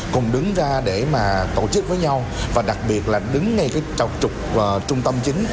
cùng đứng ra để mà tổ chức với nhau và đặc biệt là đứng ngay cái chọc trục trung tâm chính